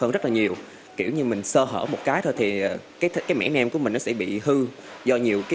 hơn rất là nhiều kiểu như mình sơ hở một cái thôi thì cái mẻ nem của mình nó sẽ bị hư do nhiều cái